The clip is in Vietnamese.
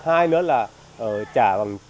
hai nữa là trả bằng tương đương